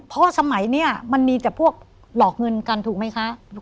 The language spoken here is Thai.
เพราะสมัยนี้มันมีแต่พวกหลอกเงินกันถูกไหมคะ